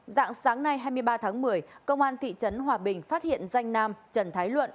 dạng sáng nay hai mươi ba tháng một mươi công an thị trấn hòa bình phát hiện danh nam trần thái luận